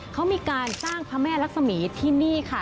เขามีการสร้างพระแม่รักษมีที่นี่ค่ะ